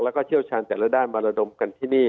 แล้วก็เชี่ยวชาญแต่ละด้านมาระดมกันที่นี่